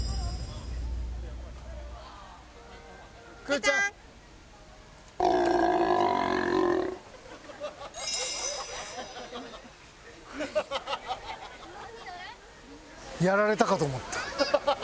クーちゃん！クーちゃん！やられたかと思った。